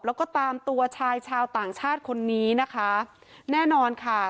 แล้วก็ตามตัวชายชาวต่างชาติคนนี้นะคะแน่นอนค่ะ